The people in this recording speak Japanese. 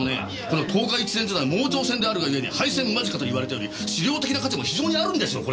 この十日市線ってのは盲腸線であるがゆえに廃線間近といわれており資料的な価値も非常にあるんですよ